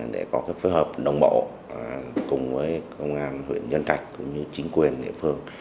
để có phối hợp đồng bộ cùng với công an huyện nhân trạch cũng như chính quyền địa phương